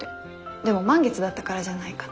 でも満月だったからじゃないかって。